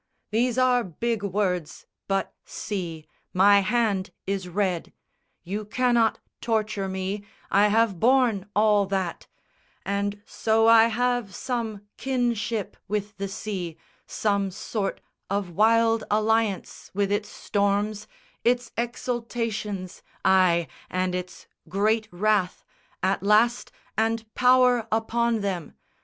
These are big words; but, see, my hand is red: You cannot torture me, I have borne all that; And so I have some kinship with the sea, Some sort of wild alliance with its storms, Its exultations, ay, and its great wrath At last, and power upon them.